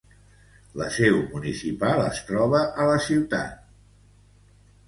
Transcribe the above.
La seu municipal es troba a la Ciudad Guadalupe Victoria.